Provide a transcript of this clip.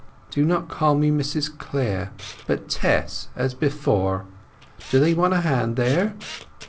Do not call me Mrs Clare, but Tess, as before. Do they want a hand here?"